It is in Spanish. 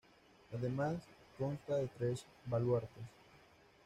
Además consta de tres baluartes.